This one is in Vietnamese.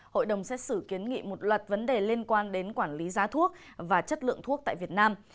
hội đồng xét xử kiến nghị một loạt vấn đề liên quan đến quản lý giá thuốc và chất lượng thuốc tại việt nam